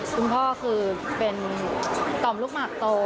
คุณพ่อคือเป็นต่อมลูกหมากโต